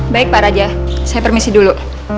baik pak raja saya permisi dulu